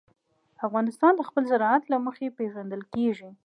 افغانستان د خپل زراعت له مخې پېژندل کېږي.